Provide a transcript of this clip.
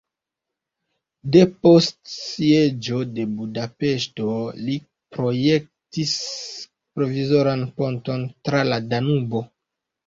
Depost sieĝo de Budapeŝto li projektis provizoran ponton tra la Danubo.